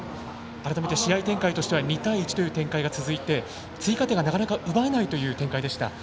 改めて試合展開としては２対１という展開が続いて追加点がなかなか奪えないという展開でした。